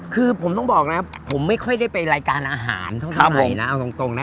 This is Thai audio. คือผมต้องบอกนะผมไม่ค่อยได้ไปรายการอาหารเท่าไหร่นะเอาตรงนะ